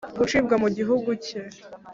Gucibwa mu gihugu cye.